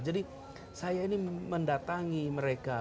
jadi saya ini mendatangi mereka